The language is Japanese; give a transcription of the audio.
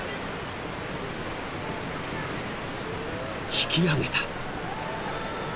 ［引き上げた］